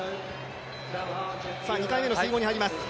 ２回目の水濠に入ります。